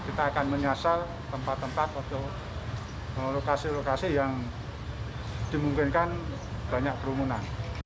kita akan menyasar tempat tempat atau lokasi lokasi yang dimungkinkan banyak kerumunan